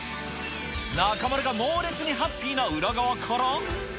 中丸が猛烈にハッピーな裏側から。